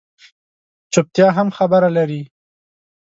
چُپتیا هم خبره لري